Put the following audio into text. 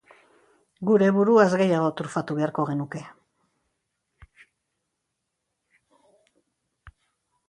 Gure buruaz gehiago trufatu beharko genuke!